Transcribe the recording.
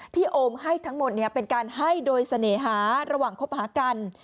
โอมให้ทั้งหมดเป็นการให้โดยเสน่หาระหว่างคบหากัน